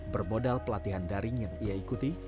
bermodal pelatihan daring yang ia ikuti